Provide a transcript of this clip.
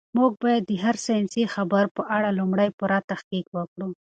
موږ باید د هر ساینسي خبر په اړه لومړی پوره تحقیق وکړو.